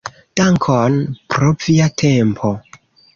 Dankon pro via tempo.